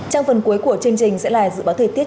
trong phần cuối của chương trình sẽ là dự báo thời tiết